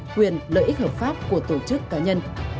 quyền lợi ích hợp pháp của tổ chức cá nhân